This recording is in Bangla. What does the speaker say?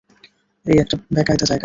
এটা একটা বেকায়দা জায়গা।